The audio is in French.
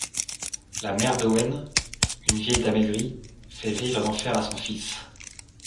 La mère d'Owen, une vieille dame aigrie, fait vivre un enfer à son fils.